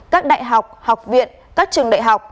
các đại học học viện các trường đại học